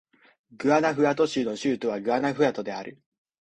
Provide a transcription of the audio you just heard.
グアナフアト州の州都はグアナフアトである